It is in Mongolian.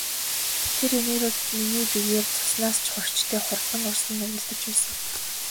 Тэр энерги миний биеэр цуснаас ч эрчтэй хурдан урсан эргэлдэж байсан.